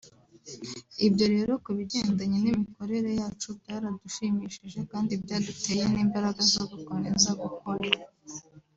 Ibyo rero kubigendanye n’imikorere yacu byaradushimishije kandi byaduteye n’imbaraga zo gukomeza gukora